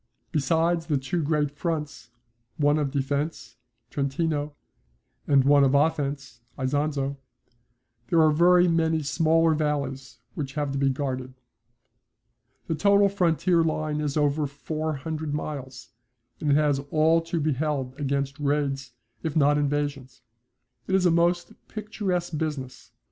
Besides the two great fronts, one of defence (Trentino) and one of offence (Isonzo), there are very many smaller valleys which have to be guarded. The total frontier line is over four hundred miles, and it has all to be held against raids if not invasions. It is a most picturesque business.